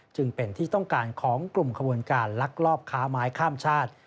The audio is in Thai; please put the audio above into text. จึงเป็นที่ต้องการของกลุ่มขบวนการลักลอบค้าไม้ข้ามชาติ